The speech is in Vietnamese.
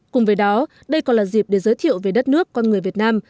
cùng với đó đây còn là dịp để giới thiệu về đất nước con người việt nam